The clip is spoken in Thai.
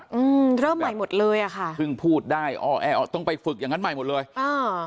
อืมเริ่มใหม่หมดเลยอ่ะค่ะเพิ่งพูดได้อ้อแอต้องไปฝึกอย่างงั้นใหม่หมดเลยอ่า